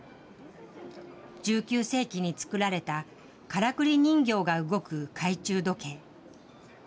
１９世紀に創られたからくり人形が動く懐中時計。